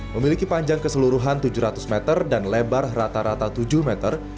memiliki panjang keseluruhan tujuh ratus meter dan lebar rata rata tujuh meter